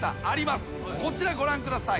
こちらご覧ください。